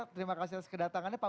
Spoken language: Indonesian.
terima kasih atas kedatangannya